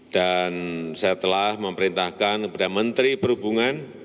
dan saya telah memerintahkan kepada menteri perhubungan